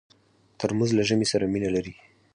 ترموز له ژمي سره مینه لري.